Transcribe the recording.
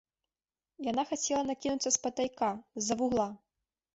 Яна хацела накінуцца спатайка, з-за вугла.